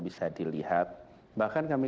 bisa dilihat bahkan kami